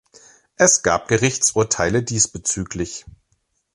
Es gab Gerichtsurteile diesbezüglich.